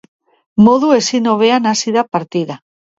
Modu ezin hobean hasi da partida.